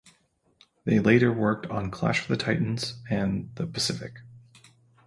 They later worked on "Clash of the Titans" and "The Pacific".